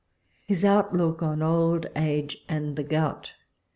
... HIS OUTLOOK OX OLD AGE AXD THE GOUT.